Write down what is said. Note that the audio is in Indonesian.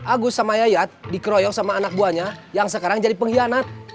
agus sama yayat dikeroyok sama anak buahnya yang sekarang jadi pengkhianat